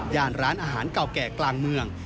ร้านอาหารเก่าแก่กลางเมือง